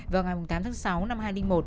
vào ngày tám tháng sáu năm hai nghìn một